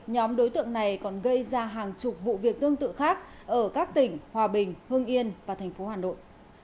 nhóm đối tượng này còn gây ra hàng chục vụ việc tương tự khác ở các tỉnh hòa bình hưng yên và tp hà nội